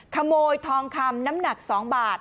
ขโมยทองคำน้ำหนัก๒บาท